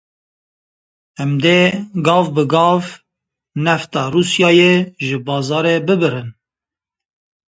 Em dê gav bi gav nefta Rûsyayê ji bazarê bibirin.